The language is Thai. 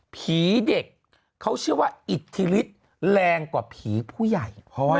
ผีเด็กเขาเชื่อว่าอิทธิฤทธิ์แรงกว่าผีผู้ใหญ่